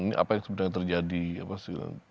ini apa yang sebenarnya terjadi